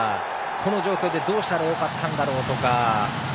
この状況でどうしたらよかったんだろうとか。